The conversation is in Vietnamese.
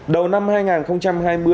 đầu năm hai nghìn hai mươi